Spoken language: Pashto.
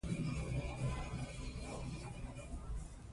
له دې مرکزه به خلک د بورسونو له لارې روسیې ته تلل.